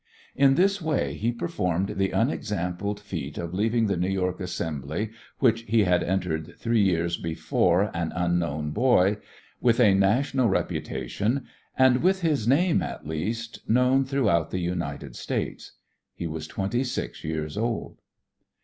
In this way he performed the unexampled feat of leaving the New York Assembly, which he had entered three years before an unknown boy, with a national reputation and with his name at least known throughout the United States. He was twenty six years old.